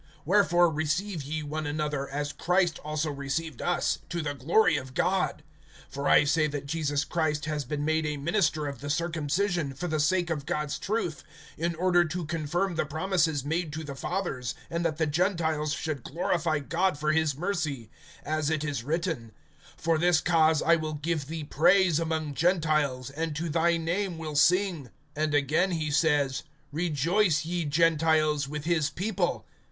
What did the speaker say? (7)Wherefore receive ye one another, as Christ also received us, to the glory of God. (8)For I say that Jesus Christ has been made a minister of the circumcision, for the sake of God's truth, in order to confirm the promises made to the fathers; (9)and that the Gentiles should glorify God for his mercy; as it is written: For this cause I will give thee praise among Gentiles. And to thy name will sing. (10)And again he says: Rejoice, ye Gentiles, with his people.